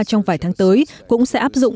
trong vài tháng tới cũng sẽ áp dụng